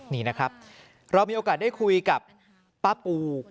นี่นะครับเรามีโอกาสได้คุยกับป้าปู